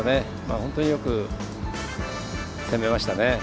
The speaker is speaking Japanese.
本当によくつかみましたね。